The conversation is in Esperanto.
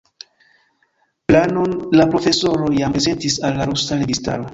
Planon la profesoro jam prezentis al la rusa registaro.